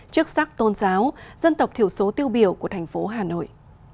chức sắc tôn giáo dân tộc thiểu số tiêu biểu của thành phố hà nội